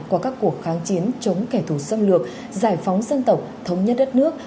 qua các cuộc kháng chiến chống kẻ thù xâm lược giải phóng dân tộc thống nhất đất nước